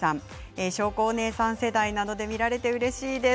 しょうこお姉さん世代なので見られてうれしいです。